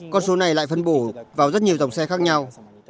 con số này lại phân bổ vào rất nhiều dòng xe khác nhau